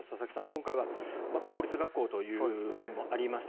今回は公立学校という面もありました。